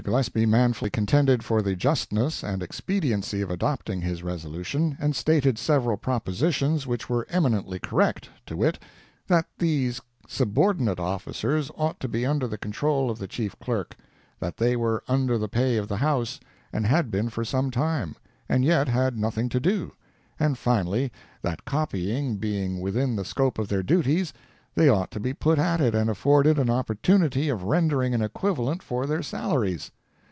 Gillespie manfully contended for the justness and expediency of adopting his resolution, and stated several propositions which were eminently correct, to wit: that these subordinate officers ought to be under the control of the Chief Clerk; that they were under the pay of the House, and had been for some time, and yet had nothing to do; and finally, that copying being within the scope of their duties, they ought to be put at it and afforded an opportunity of rendering an equivalent for their salaries.